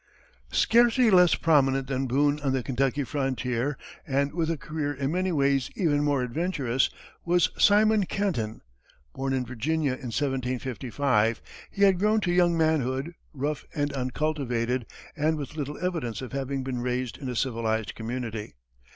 Scarcely less prominent than Boone on the Kentucky frontier, and with a career in many ways even more adventurous, was Simon Kenton. Born in Virginia in 1755, he had grown to young manhood, rough and uncultivated, and with little evidence of having been raised in a civilized community.